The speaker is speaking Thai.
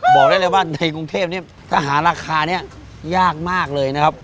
บอกได้เลยว่าในกรุงเทพเนี่ยถ้าหาราคานี้ยากมากเลยนะครับ